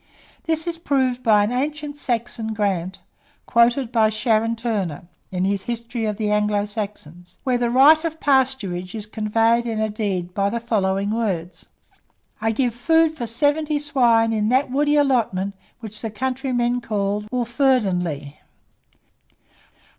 This is proved by an ancient Saxon grant, quoted by Sharon Turner, in his "History of the Anglo Saxons," where the right of pasturage is conveyed in a deed by the following words: "I give food for seventy swine in that woody allotment which the countrymen call Wolferdinlegh."